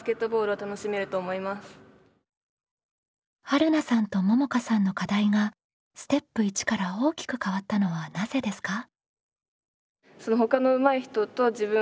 はるなさんとももかさんの課題がステップ１から大きく変わったのはなぜですか？